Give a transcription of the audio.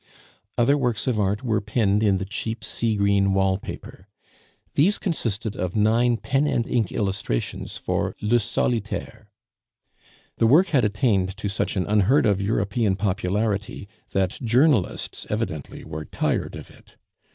Other works of art were pinned in the cheap sea green wall paper. These consisted of nine pen and ink illustrations for Le Solitaire. The work had attained to such an unheard of European popularity, that journalists evidently were tired of it.